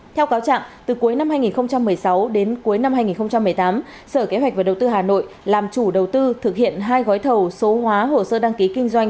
theo cáo trạng từ cuối năm hai nghìn một mươi sáu đến cuối năm hai nghìn một mươi tám sở kế hoạch và đầu tư hà nội làm chủ đầu tư thực hiện hai gói thầu số hóa hồ sơ đăng ký kinh doanh